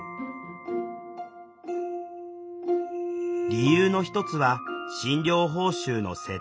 理由の一つは診療報酬の設定。